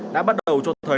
đã bắt đầu cho thấy